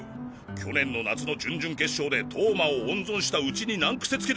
去年の夏の準々決勝で投馬を温存したウチに難クセつけて！